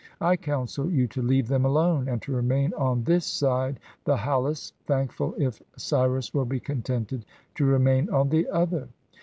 I counsel you to leave them alone, and to remain on this side the Halys, thankful if Cyrus will be contented to remain on the other."